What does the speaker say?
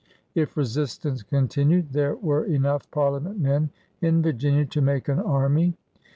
If resistance continued, there were enough Parliament men in Virginia to make an army.